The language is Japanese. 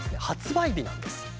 発売日なんです。